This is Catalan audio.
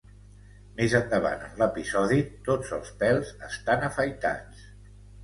Més endavant en l'episodi, tots els pèls estan afaitats.